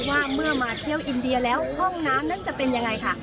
ว่าเมื่อมาเที่ยวอินเดียแล้วห้องน้ำนั้นจะเป็นยังไงค่ะ